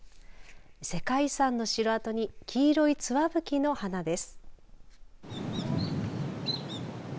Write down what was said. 世界遺産の城あとに黄色いつわぶきの花です。